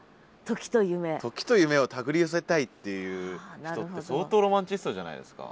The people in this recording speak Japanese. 時と夢を手繰り寄せたいっていう人って相当ロマンチストじゃないですか。